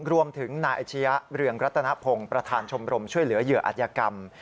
รวมถึงนายอาชียะเรืองรัตนพงศ์ประธานชมรมช่วยเหลือเหยื่ออัธยกรรม